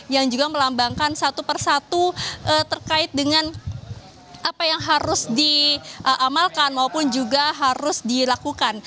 yang juga melambangkan satu persatu terkait dengan apa yang harus diamalkan maupun juga harus dilakukan